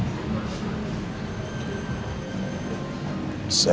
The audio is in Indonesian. saya hanya berharap